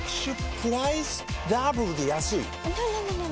プライスダブルで安いＮｏ！